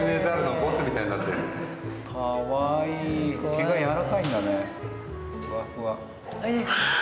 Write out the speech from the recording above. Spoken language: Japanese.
毛がやわらかいんだね。